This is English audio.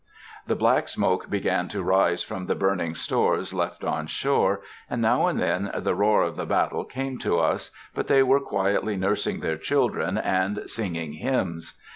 The black smoke began to rise from the burning stores left on shore, and now and then the roar of the battle came to us, but they were quietly nursing their children and singing hymns.